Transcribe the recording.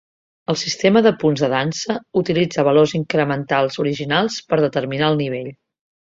El sistema de punts de dansa utilitza valors incrementals originals per determinar el nivell.